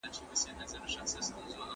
سپین سرې وویل چې صبر د هرې ستونزې کلید ده.